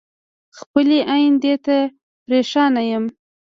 خپلې ايندی ته پریشان ين